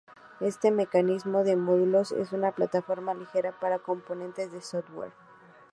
Este mecanismo de módulos es una plataforma ligera para componentes de software.